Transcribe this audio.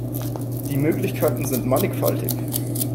Die Möglichkeiten sind mannigfaltig.